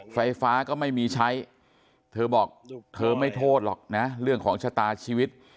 ไฟฟ้าก็ไม่มีใช้เธอบอกเธอไม่โทษหรอกนะเรื่องของชะตาชีวิต